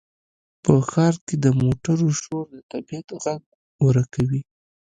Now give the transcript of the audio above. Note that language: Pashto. په ښار کې د موټرو شور د طبیعت غږ ورکوي.